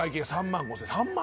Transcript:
３万５０００円。